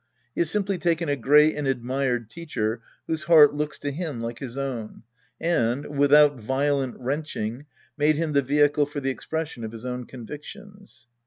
He has simply taken a great and admired teacher whose heart looks to him like his own and, without violent wrenching, made him the vehicle for the expression of his own convictions.